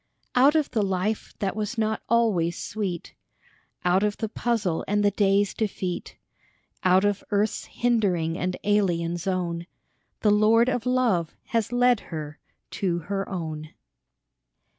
Out of the life that was not always sweet, Out of the puzzle and the day's defeat, Out of earth's hindering and alien zone, The Lord of Love has led her to her own.